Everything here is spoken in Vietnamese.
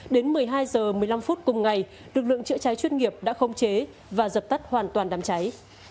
đến một mươi hai h một mươi năm phút cùng ngày lực lượng chữa cháy chuyên nghiệp đã không chế và dập tắt hoàn toàn đám cháy